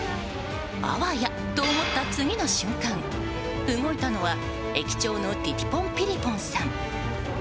あわやと思った次の瞬間動いたのは駅長のティティポン・ピリポンさん。